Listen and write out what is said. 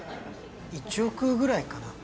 １億ぐらいかな